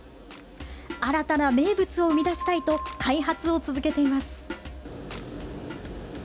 新たな名物を生み出したいと開発を続けています。